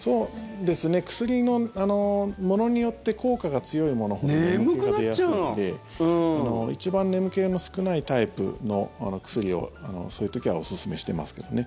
薬の、ものによって効果が強いものほど眠気が出やすいので一番眠気の少ないタイプの薬をそういう時はおすすめしてますけどね。